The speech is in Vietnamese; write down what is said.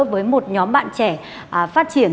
với một nhóm bạn trẻ phát triển